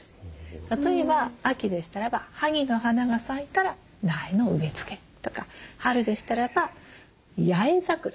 例えば秋でしたらばはぎの花が咲いたら苗の植え付けとか春でしたらば八重桜。